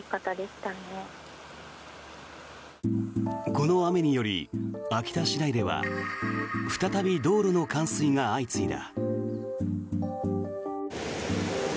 この雨により秋田市内では再び道路の冠水が相次いだ。